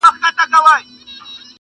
په تعویذ کي یو عجب خط وو لیکلی -